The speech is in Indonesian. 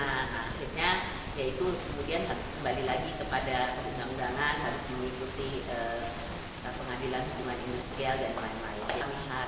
akhirnya ya itu kemudian harus kembali lagi kepada perundangan perundangan harus mengikuti pengadilan perundangan industrial dan lain lain